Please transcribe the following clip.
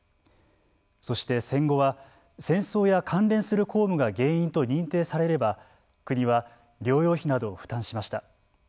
そして、戦後は戦争や関連する公務が原因と認定されれば国は療養費などを負担しました。